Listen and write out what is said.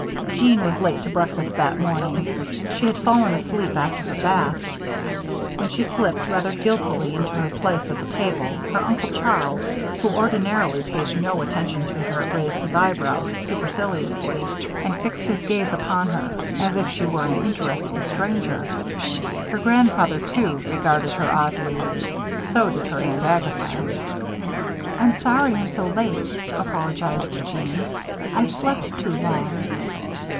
Jeanne was late to breakfast that morning. She had fallen asleep after her bath. When she slipped, rather guiltily, into her place at the table, her Uncle Charles, who ordinarily paid no attention to her, raised his eyebrows, superciliously, and fixed his gaze upon her as if she were an interesting stranger. Her grandfather, too, regarded her oddly. So did her Aunt Agatha. "I'm sorry I'm so late," apologized Jeanne. "I slept too long."